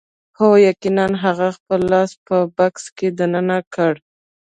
هو یقیناً هغه خپل لاس په بکس کې دننه کړ